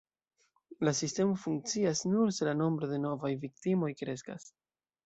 La sistemo funkcias nur se la nombro de novaj viktimoj kreskas.